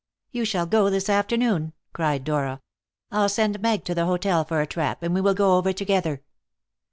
"You shall go this afternoon," cried Dora. "I'll send Meg to the hotel for a trap, and we will go over together."